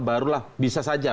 barulah bisa saja